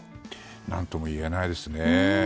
何とも言えないですね。